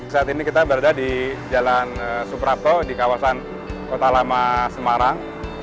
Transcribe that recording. saat ini kita berada di jalan suprapto di kawasan kota lama semarang